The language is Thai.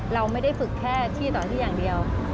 เราไม่ได้ฝึกแค่ที่ต่อที่อย่างเดียว